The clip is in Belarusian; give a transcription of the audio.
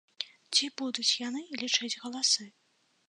Ці будуць яны лічыць галасы?